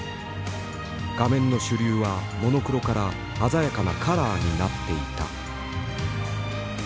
画面の主流はモノクロから鮮やかなカラーになっていた。